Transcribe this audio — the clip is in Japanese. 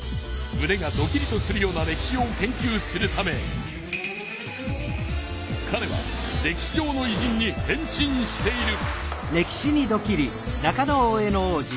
むねがドキリとするような歴史を研究するためかれは歴史上のいじんに変身している。